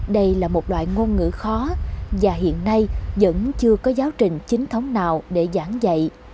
đây là một loại ngôn ngữ khó và hiện nay vẫn chưa có giáo trình chính thống nào để giảng dạy